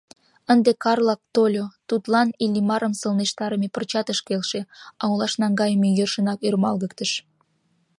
Ынде Карла тольо, тудлан Иллимарым сылнештарыме пырчат ыш келше, а олаш наҥгайыме йӧршынак ӧрмалгыктыш: